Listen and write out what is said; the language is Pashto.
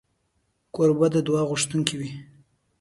کوربه د دعا غوښتونکی وي.